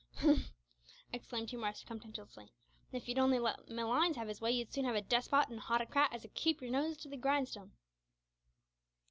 "Hump!" exclaimed Hugh Morris, contemptuously, "if you'd on'y let Malines have his way you'd soon have a despot an' a howtocrat as 'ud keep yer noses to the grindstone."